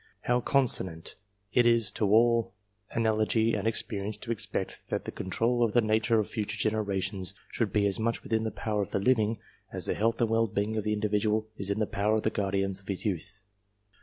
How consonant it is to all analogy and experience J to expect that the control of the nature of future genera A tions should be as much within the power of the living, as i the health and well being of the individual is in the power V of the guardians of his youth.